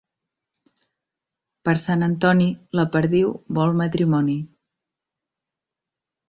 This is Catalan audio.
Per Sant Antoni la perdiu vol matrimoni.